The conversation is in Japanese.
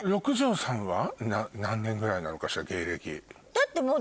だってもう。